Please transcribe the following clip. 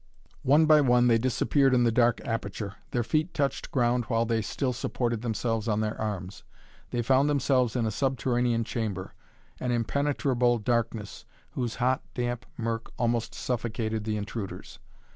One by one they disappeared in the dark aperture. Their feet touched ground while they still supported themselves on their arms. They found themselves in a subterranean chamber, in impenetrable darkness, whose hot, damp murk almost suffocated the intruders.